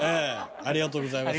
ありがとうございます